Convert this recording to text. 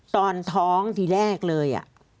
ตอนท้องทีแรกเลย